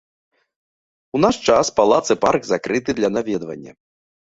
У наш час палац і парк закрыты для наведвання.